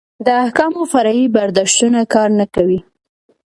د احکامو فرعي برداشتونه کار نه کوي.